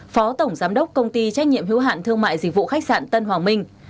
phó tổng giám đốc công ty trách nhiệm hữu hạn thương mại dịch vụ khách sạn tân hoàng minh